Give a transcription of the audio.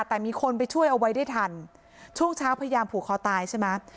แต่มีคนไปช่วยเอาไว้ได้ทันช่วงเช้าพยายามผูกคอตายใช่ไหม